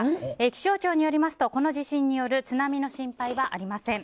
気象庁によりますとこの地震による津波の心配はありません。